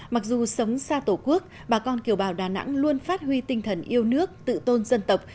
mặc dù sống xa tổ quốc bà con kiều bào đà nẵng luôn phát huy tinh thần yêu nước tự tôn dân tộc